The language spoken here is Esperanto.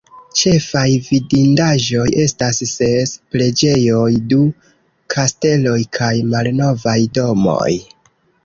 Ĉefaj vidindaĵoj estas ses preĝejoj, du kasteloj kaj malnovaj domoj.